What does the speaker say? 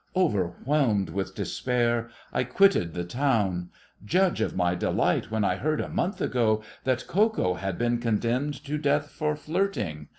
Overwhelmed with despair, I quitted the town. Judge of my delight when I heard, a month ago, that Ko Ko had been con demned to death for flirting!